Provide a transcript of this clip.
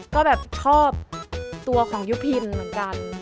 ก็แบบชอบตัวของยุพินเหมือนกัน